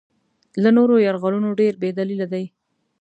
له نورو یرغلونو ډېر بې دلیله دی.